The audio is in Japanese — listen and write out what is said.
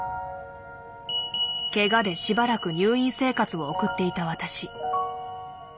けがでしばらく入院生活を送っていた私。